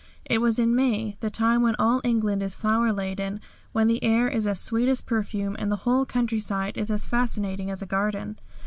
It was in May, the time when all England is flower laden, when the air is as sweet as perfume and the whole countryside is as fascinating as a garden.